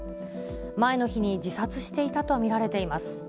前の日に自殺していたと見られています。